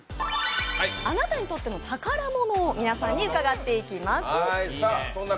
あなたにとっての宝物を皆さんに伺っていきます。